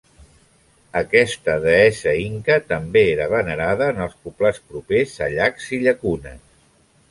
Aquesta deessa inca també era venerada en els poblats propers a llacs i llacunes.